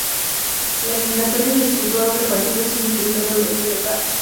La eliminatoria se disputó a doble partido, siendo el primero de local.